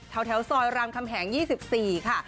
แถวซอยรามคำแหง๒๔ค่ะ